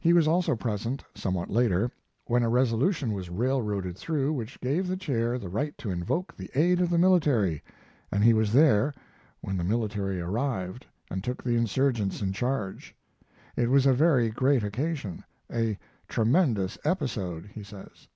He was also present somewhat later when a resolution was railroaded through which gave the chair the right to invoke the aid of the military, and he was there when the military arrived and took the insurgents in charge. It was a very great occasion, a "tremendous episode," he says.